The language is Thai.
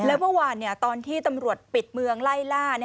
แล้วเมื่อวานตอนที่ตำรวจปิดเมืองไล่ล่า